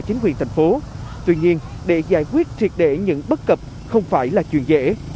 chính quyền thành phố tuy nhiên để giải quyết triệt để những bất cập không phải là chuyện dễ